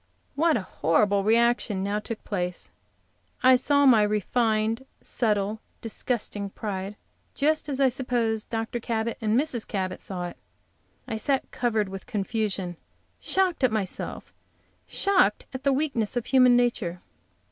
What a horrible reaction now took place! I saw my refined, subtle, disgusting pride, just as I suppose Dr. and Mrs. Cabot saw it! I sat covered with confusion, shocked at myself, shocked at the weakness of human nature.